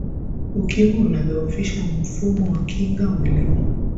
ukimwi unadhoofisha mfumo wa kinga mwilini